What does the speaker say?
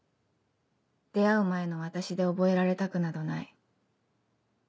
出会う前の私で覚えられたくなどない」。